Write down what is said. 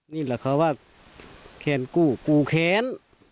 นี่แหละคำว่าเครนกู้กูเครน